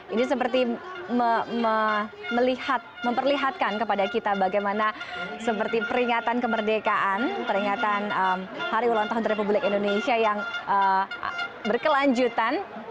ini seperti memperlihatkan kepada kita bagaimana seperti peringatan kemerdekaan peringatan hari ulang tahun republik indonesia yang berkelanjutan